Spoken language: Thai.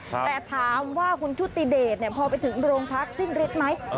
แต่ถามว่าคุณชุติเดชพอไปถึงโรงพักสิ้นฤทธิ์ไหม